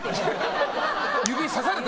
指さされて。